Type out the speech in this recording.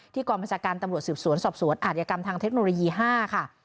กองบัญชาการตำรวจสืบสวนสอบสวนอาจยกรรมทางเทคโนโลยี๕ค่ะ